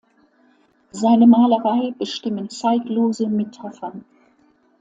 Seine Malerei bestimmen zeitlose Metaphern.